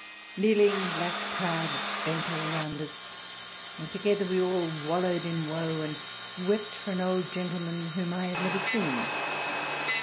Kneeling black crowds bent all round us, and together we all wallowed in woe and wept for an old gentleman whom I had never seen.